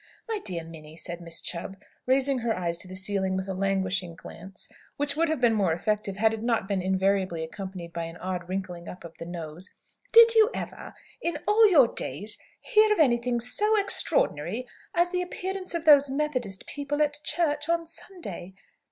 "My dear Minnie," said Miss Chubb, raising her eyes to the ceiling with a languishing glance, which would have been more effective had it not been invariably accompanied by an odd wrinkling up of the nose, "did you ever, in all your days hear of anything so extraordinary as the appearance of those Methodist people at church on Sunday?"